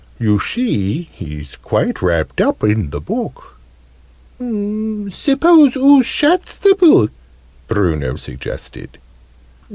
"You see he's quite wrapped up in the book!" "Suppose oo shuts the book?" Bruno suggested.